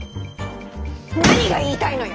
何が言いたいのよ！